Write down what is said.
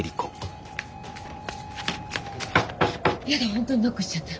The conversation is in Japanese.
本当にノックしちゃった。